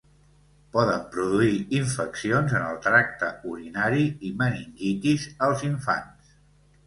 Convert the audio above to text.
Poden produir infeccions en el tracte urinari i meningitis als infants.